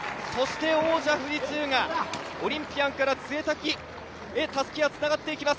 王者・富士通がオリンピアンから潰滝へたすきがつながっていきます。